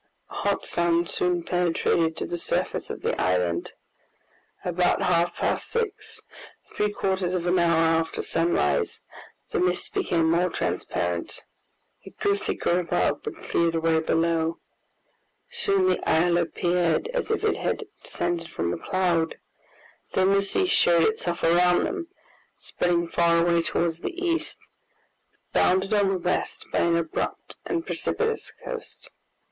A hot sun soon penetrated to the surface of the island. About half past six, three quarters of an hour after sunrise, the mist became more transparent. It grew thicker above, but cleared away below. Soon the isle appeared as if it had descended from a cloud, then the sea showed itself around them, spreading far away towards the east, but bounded on the west by an abrupt and precipitous coast.